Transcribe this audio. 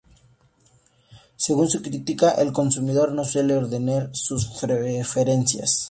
Según su critica, el consumidor no suele ordenar sus preferencias.